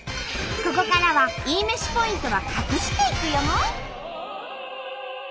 ここからはいいめしポイントは隠していくよ！